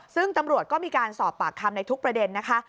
ซึ่งตำรวจก็มีการสอบปากคำในทุกประเด็นนะคะ